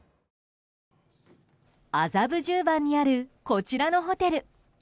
麻布十番にあるこちらのホテル。